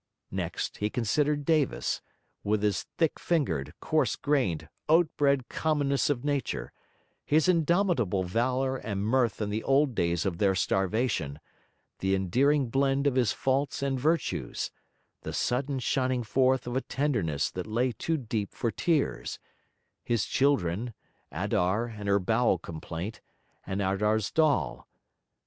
Next he considered Davis, with his thick fingered, coarse grained, oat bread commonness of nature, his indomitable valour and mirth in the old days of their starvation, the endearing blend of his faults and virtues, the sudden shining forth of a tenderness that lay too deep for tears; his children, Adar and her bowel complaint, and Adar's doll.